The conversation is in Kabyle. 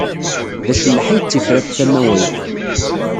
D acelleḥ ay d tifrat tamawayt.